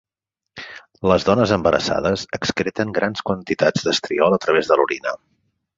Les dones embarassades excreten grans quantitats d'estriol a través de l'orina.